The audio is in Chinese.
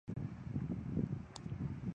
中国的连载小说始于十九世纪晚期。